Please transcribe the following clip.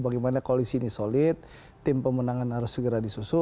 bagaimana koalisi ini solid tim pemenangan harus segera disusun